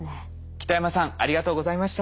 北山さんありがとうございました。